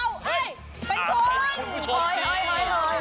เป็นคุณ